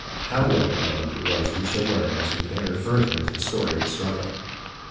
How well grounded it was we shall learn as we enter further into the story of the struggle.